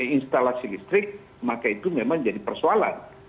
instalasi listrik maka itu memang jadi persoalan